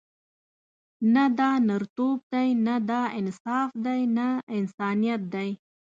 نه دا نرتوب دی، نه دا انصاف دی، نه انسانیت دی.